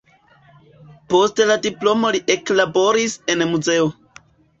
Post la diplomo li eklaboris en muzeo.